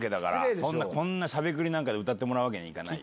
それでこんなしゃべくりなんかで歌ってもらうわけにいかないよ。